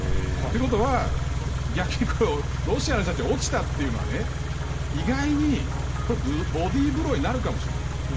ということは、逆にロシアの人たちが落ちたというのは意外にボディブローになるかもしれない。